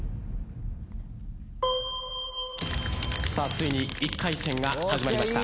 ついに１回戦が始まりました。